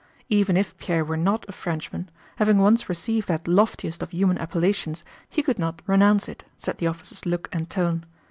Even if Pierre were not a Frenchman, having once received that loftiest of human appellations he could not renounce it, said the officer's look and tone.